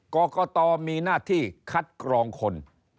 กรกตมีหน้าที่คัดกรองคน